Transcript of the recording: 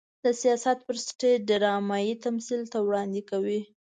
د سياست پر سټېج ډرامايي تمثيل ته وړاندې کوي.